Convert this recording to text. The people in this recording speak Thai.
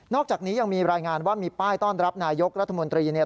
อกจากนี้ยังมีรายงานว่ามีป้ายต้อนรับนายกรัฐมนตรีเนี่ย